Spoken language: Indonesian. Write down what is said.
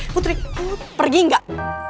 putri pergi gak